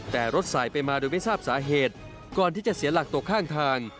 แต่รถสายไปมาโดยไม่ทราบสาเหตุก่อนที่จะเสียหลักตกข้างทาง